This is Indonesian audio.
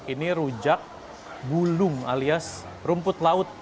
ini rujak bulung alias rumput laut